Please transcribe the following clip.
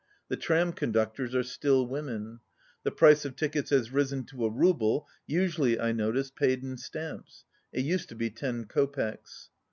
The tram conductors are still women. The price of tickets has risen to a rouble, usually, I noticed, paid in stamps. It used to be ten kopecks.